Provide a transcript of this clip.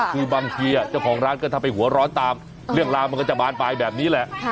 คือบางทีเจ้าของร้านก็ถ้าไปหัวร้อนตามเรื่องราวมันก็จะบานปลายแบบนี้แหละ